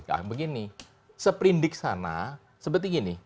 nah begini seprindik sana seperti gini